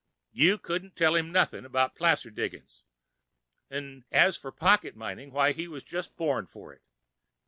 You couldn't tell him noth'n' 'bout placer diggin's—'n' as for pocket mining, why he was just born for it.